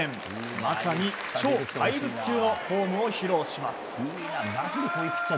まさに超怪物級のフォームを披露します。